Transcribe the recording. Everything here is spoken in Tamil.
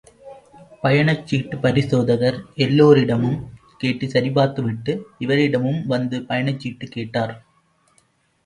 பயணச்சீட்டு பரிசோதகர் எல்லோரிடமும் கேட்டு சரிபார்த்து விட்டு இவரிடமும் வந்து பயணச்சீட்டு கேட்டார்.